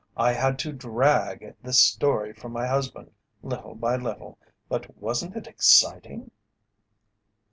I had to drag this story from my husband, little by little. But wasn't it exciting?"